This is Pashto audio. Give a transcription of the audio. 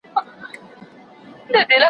وارخطا ژبه یې وچه سوه په خوله کي